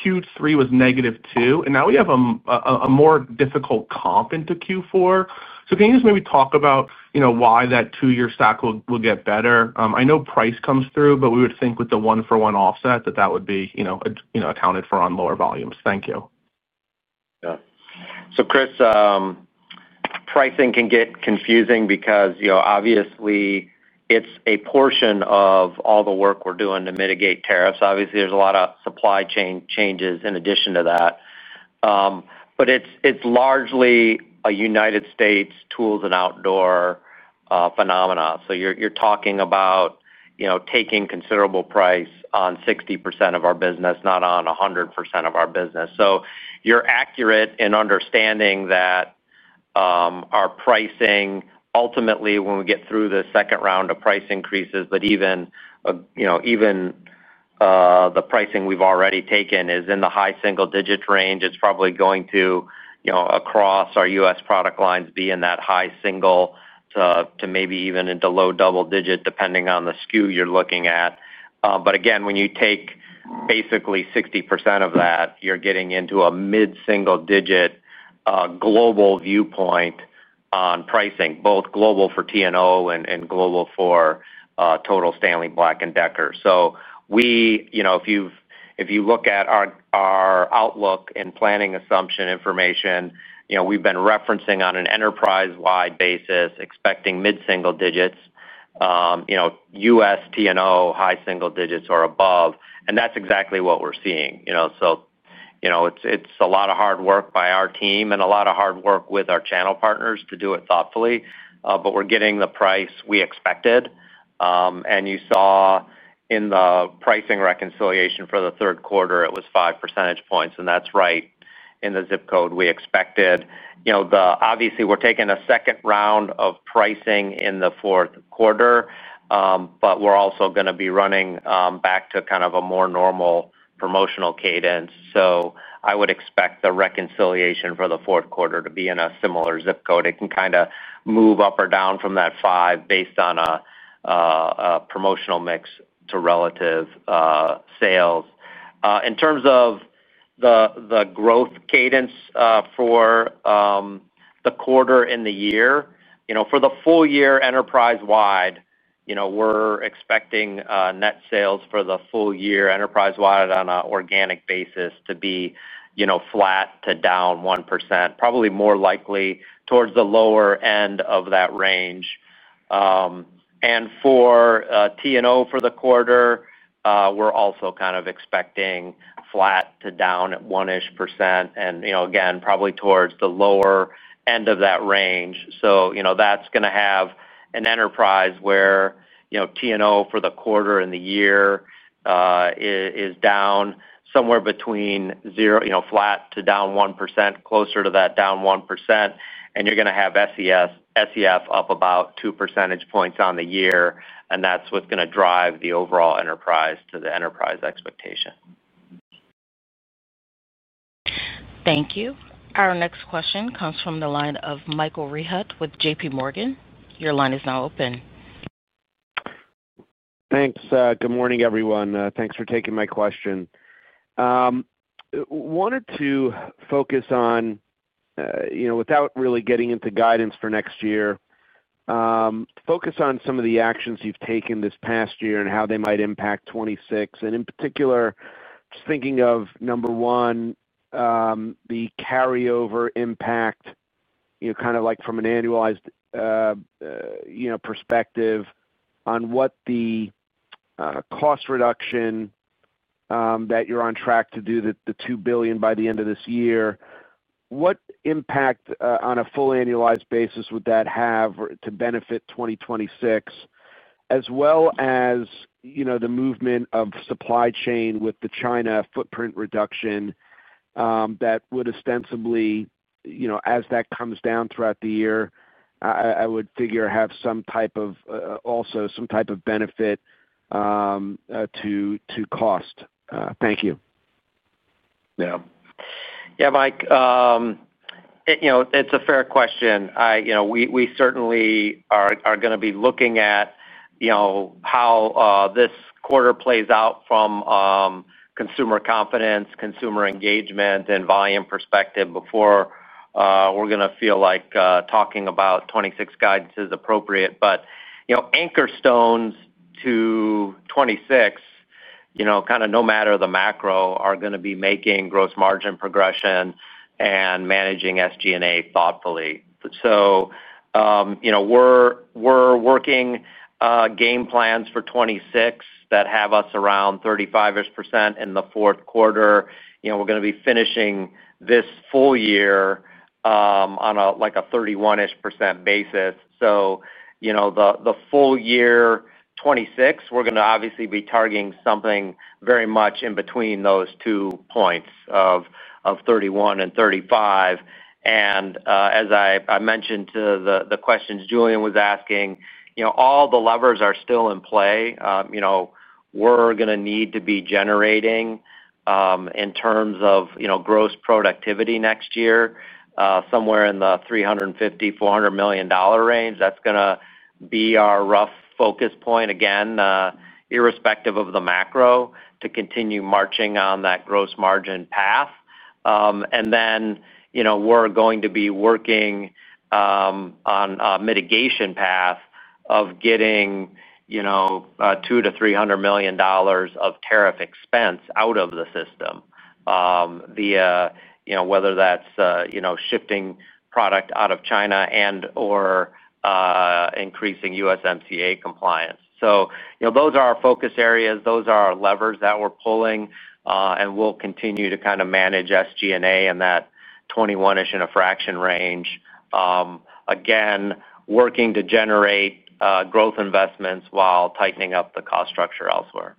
Q3 was -3. Now we have a more difficult comp into Q4. Can you just maybe talk about why that two-year stack will get better? I know price comes through, but we would think with the one-for-one offset that that would be accounted for on lower volumes. Thank you. Yeah. So, Chris, pricing can get confusing because, obviously, it's a portion of all the work we're doing to mitigate tariffs. Obviously, there's a lot of supply chain changes in addition to that. It's largely a United States tools and outdoor phenomena. So you're talking about. Taking considerable price on 60% of our business, not on 100% of our business. So you're accurate in understanding that. Our pricing, ultimately, when we get through the second round of price increases, but even the pricing we've already taken is in the high single-digit range, it's probably going to across our U.S. product lines be in that high single to maybe even into low double-digit, depending on the SKU you're looking at. Again, when you take basically 60% of that, you're getting into a mid-single-digit global viewpoint on pricing, both global for T&O and global for total Stanley Black & Decker. If you look at our outlook and planning assumption information, we've been referencing on an enterprise-wide basis, expecting mid-single digits. U.S. T&O high single digits or above. That's exactly what we're seeing. It's a lot of hard work by our team and a lot of hard work with our channel partners to do it thoughtfully. We're getting the price we expected. You saw in the pricing reconciliation for the third quarter, it was 5 percentage points. That's right in the zip code we expected. Obviously, we're taking a second round of pricing in the fourth quarter, but we're also going to be running back to kind of a more normal promotional cadence. I would expect the reconciliation for the fourth quarter to be in a similar zip code. It can kind of move up or down from that five based on a promotional mix to relative sales. In terms of the growth cadence for the quarter in the year, for the full year enterprise-wide, we're expecting net sales for the full year enterprise-wide on an organic basis to be flat to down 1%, probably more likely towards the lower end of that range. For T&O for the quarter, we're also kind of expecting flat to down at one-ish percent. Again, probably towards the lower end of that range. That's going to have an enterprise where T&O for the quarter in the year is down somewhere between flat to down 1%, closer to that down 1%. You're going to have SEF up about 2 percentage points on the year. That's what's going to drive the overall enterprise to the enterprise expectation. Thank you. Our next question comes from the line of Michael Rehaut with JPMorgan. Your line is now open. Thanks. Good morning, everyone. Thanks for taking my question. Wanted to focus on, without really getting into guidance for next year, focus on some of the actions you've taken this past year and how they might impact 2026. In particular, just thinking of number one, the carryover impact, kind of like from an annualized perspective on what the cost reduction that you're on track to do, the $2 billion by the end of this year, what impact on a full annualized basis would that have to benefit 2026. As well as. The movement of supply chain with the China footprint reduction. That would ostensibly, as that comes down throughout the year, I would figure have some type of, also some type of benefit to cost. Thank you. Yeah. Yeah, Mike. It's a fair question. We certainly are going to be looking at how this quarter plays out from consumer confidence, consumer engagement, and volume perspective before we're going to feel like talking about 2026 guidance is appropriate. But anchor stones to 2026, kind of no matter the macro, are going to be making gross margin progression and managing SG&A thoughtfully. We are working game plans for 2026 that have us around 35% in the fourth quarter. We are going to be finishing this full year on a 31% basis. The full year 2026, we are going to obviously be targeting something very much in between those two points of 31% and 35%. As I mentioned to the questions Julian was asking, all the levers are still in play. We are going to need to be generating, in terms of gross productivity next year, somewhere in the $350 million-$400 million range. That's going to be our rough focus point, again, irrespective of the macro, to continue marching on that gross margin path. We are going to be working on a mitigation path of getting $200 million-$300 million of tariff expense out of the system, whether that's shifting product out of China and/or increasing USMCA compliance. Those are our focus areas. Those are our levers that we're pulling. We will continue to kind of manage SG&A in that 21% and a fraction range, again working to generate growth investments while tightening up the cost structure elsewhere.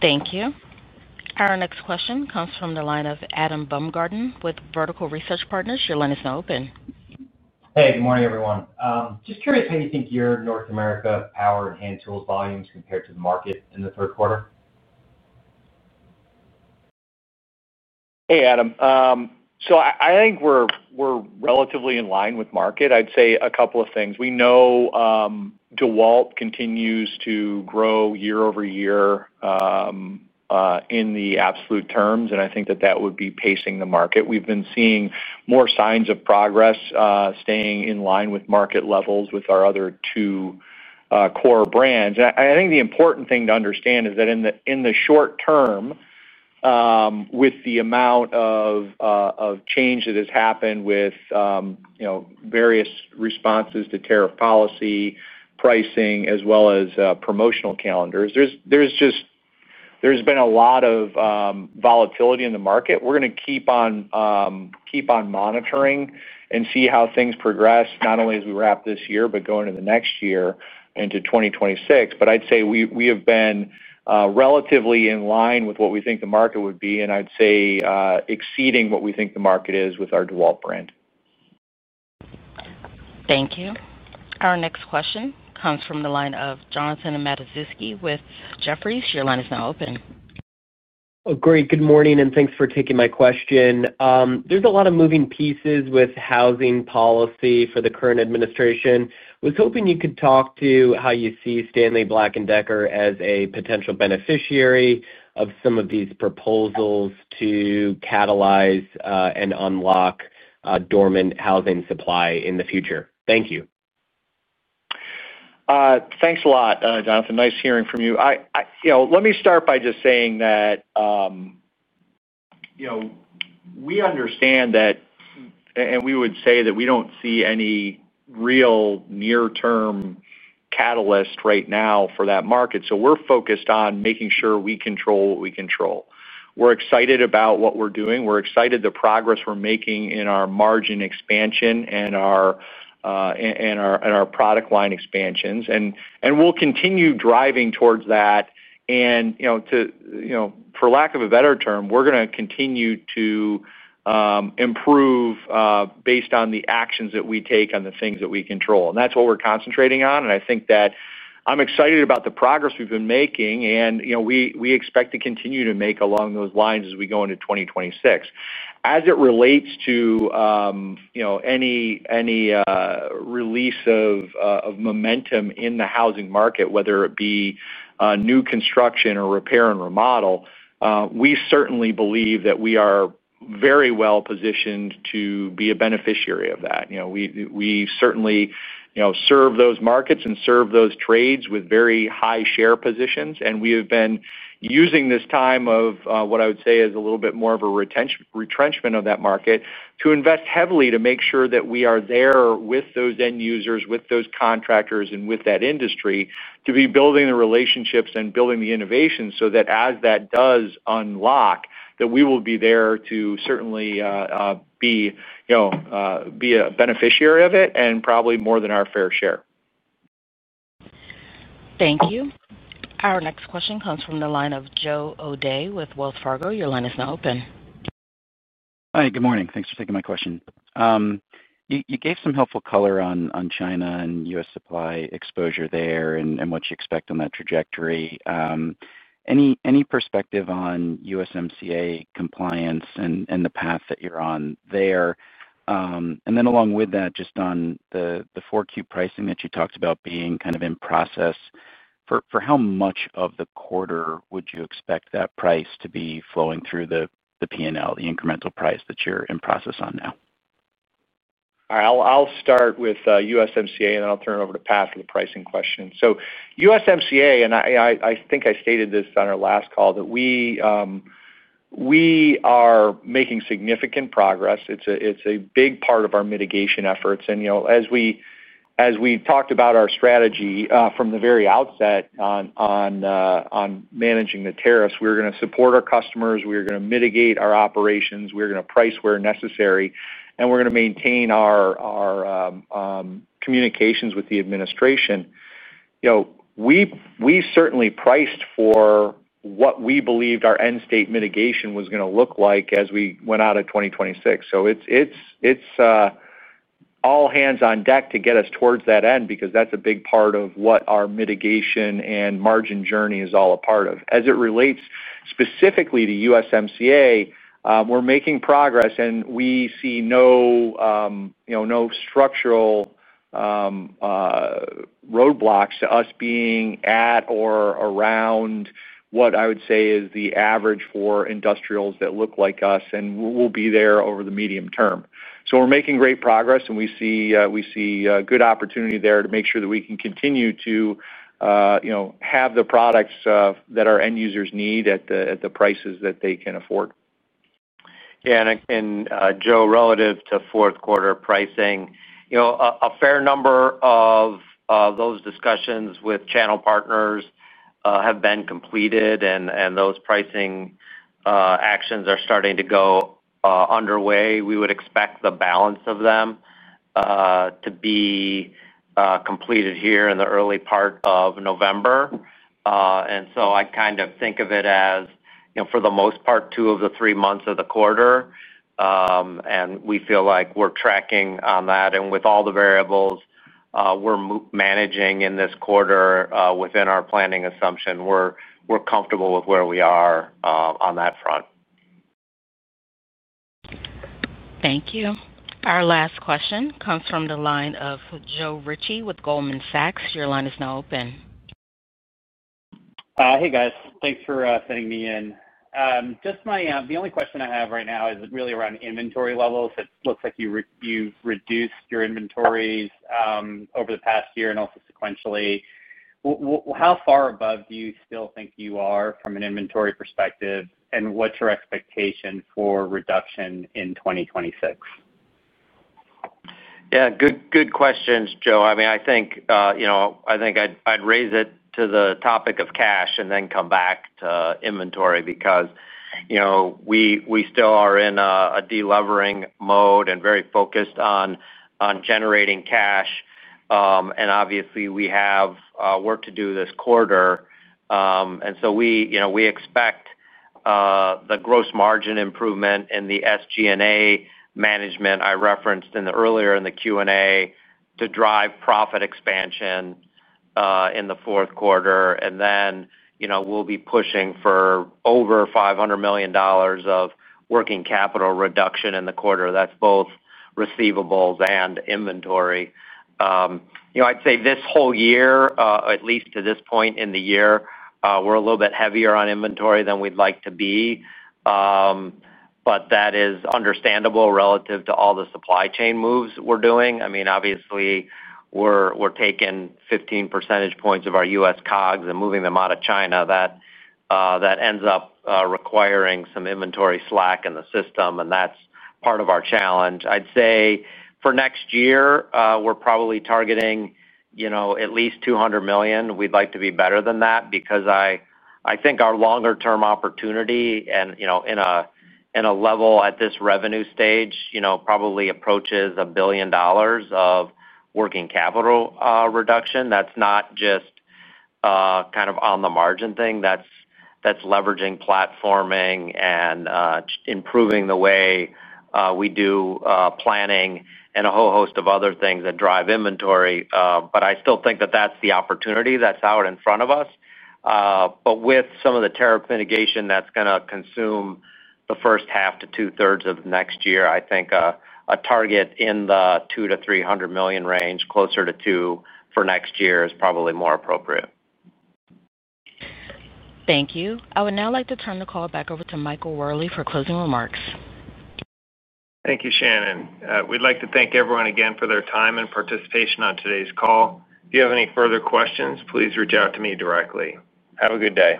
Thank you. Our next question comes from the line of Adam Baumgarten with Vertical Research Partners. Your line is now open. Hey, good morning, everyone. Just curious how you think your North America power and hand tools volumes compared to the market in the third quarter. Hey, Adam. I think we're relatively in line with market. I'd say a couple of things. We know DEWALT continues to grow year-over-year in the absolute terms, and I think that that would be pacing the market. We've been seeing more signs of progress staying in line with market levels with our other two core brands. I think the important thing to understand is that in the short term, with the amount of change that has happened with various responses to tariff policy, pricing, as well as promotional calendars, there's been a lot of volatility in the market. We're going to keep on monitoring and see how things progress, not only as we wrap this year, but going into the next year into 2026. I'd say we have been relatively in line with what we think the market would be, and I'd say exceeding what we think the market is with our DEWALT brand. Thank you. Our next question comes from the line of Jonathan Matuszewski with Jefferies. Your line is now open. Great. Good morning. And thanks for taking my question. There's a lot of moving pieces with housing policy for the current administration. I was hoping you could talk to how you see Stanley Black & Decker as a potential beneficiary of some of these proposals to catalyze and unlock dormant housing supply in the future. Thank you. Thanks a lot, Jonathan. Nice hearing from you. Let me start by just saying that we understand that, and we would say that we don't see any real near-term catalyst right now for that market. We're focused on making sure we control what we control. We're excited about what we're doing. We're excited about the progress we're making in our margin expansion and our product line expansions. We'll continue driving towards that. For lack of a better term, we're going to continue to improve based on the actions that we take on the things that we control. That's what we're concentrating on. I think that I'm excited about the progress we've been making, and we expect to continue to make along those lines as we go into 2026. As it relates to any release of momentum in the housing market, whether it be new construction or repair and remodel, we certainly believe that we are very well positioned to be a beneficiary of that. We certainly serve those markets and serve those trades with very high share positions. We have been using this time of what I would say is a little bit more of a retrenchment of that market to invest heavily to make sure that we are there with those end users, with those contractors, and with that industry to be building the relationships and building the innovation so that as that does unlock, we will be there to certainly be a beneficiary of it and probably more than our fair share. Thank you. Our next question comes from the line of Joe O'Dea with Wells Fargo. Your line is now open. Hi. Good morning. Thanks for taking my question. You gave some helpful color on China and U.S. supply exposure there and what you expect on that trajectory. Any perspective on USMCA compliance and the path that you're on there? And then along with that, just on the fourth quarter pricing that you talked about being kind of in process, for how much of the quarter would you expect that price to be flowing through the P&L, the incremental price that you're in process on now? All right. I'll start with USMCA, and then I'll turn it over to Pat for the pricing question. USMCA, and I think I stated this on our last call, we are making significant progress. It's a big part of our mitigation efforts. As we talked about our strategy from the very outset on. Managing the tariffs, we're going to support our customers. We're going to mitigate our operations. We're going to price where necessary. We're going to maintain our communications with the administration. We certainly priced for what we believed our end state mitigation was going to look like as we went out of 2026. It's all hands on deck to get us towards that end because that's a big part of what our mitigation and margin journey is all a part of. As it relates specifically to USMCA, we're making progress, and we see no structural roadblocks to us being at or around what I would say is the average for industrials that look like us. We'll be there over the medium term. We're making great progress, and we see good opportunity there to make sure that we can continue to have the products that our end users need at the prices that they can afford. Yeah. And Joe, relative to fourth quarter pricing, a fair number of those discussions with channel partners have been completed, and those pricing actions are starting to go underway. We would expect the balance of them to be completed here in the early part of November. I kind of think of it as, for the most part, two of the three months of the quarter. We feel like we're tracking on that. With all the variables we're managing in this quarter within our planning assumption, we're comfortable with where we are on that front. Thank you. Our last question comes from the line of Joe Ritchie with Goldman Sachs. Your line is now open. Hey, guys. Thanks for fitting me in. Just the only question I have right now is really around inventory levels. It looks like you've reduced your inventories over the past year and also sequentially. How far above do you still think you are from an inventory perspective, and what's your expectation for reduction in 2026? Yeah. Good questions, Joe. I think I'd raise it to the topic of cash and then come back to inventory because we still are in a delivering mode and very focused on generating cash. Obviously, we have work to do this quarter. We expect the gross margin improvement and the SG&A management I referenced earlier in the Q&A to drive profit expansion in the fourth quarter. We'll be pushing for over $500 million of working capital reduction in the quarter. That's both receivables and inventory. I'd say this whole year, at least to this point in the year, we're a little bit heavier on inventory than we'd like to be. That is understandable relative to all the supply chain moves we're doing. Obviously, we're taking 15 percentage points of our U.S. COGS and moving them out of China. That ends up requiring some inventory slack in the system. That's part of our challenge. I'd say for next year, we're probably targeting at least $200 million. We'd like to be better than that because I think our longer-term opportunity in a level at this revenue stage probably approaches $1 billion of working capital reduction. That's not just kind of an on-the-margin thing. That's leveraging platforming and improving the way we do planning and a whole host of other things that drive inventory. I still think that that's the opportunity that's out in front of us. With some of the tariff mitigation that's going to consume the first half to two-thirds of next year, I think a target in the $200 million-$300 million range, closer to $200 million for next year, is probably more appropriate. Thank you. I would now like to turn the call back over to Michael Wherley for closing remarks. Thank you, Shannon. We'd like to thank everyone again for their time and participation on today's call. If you have any further questions, please reach out to me directly. Have a good day.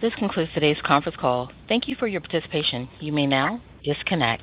This concludes today's conference call. Thank you for your participation. You may now disconnect.